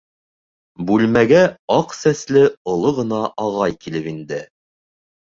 Бүлмәгә аҡ сәсле оло ғына ағай килеп инде.